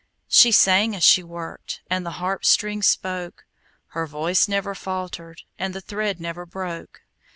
She sang as she worked, And the harp strings spoke; Her voice never faltered, And the thread never broke.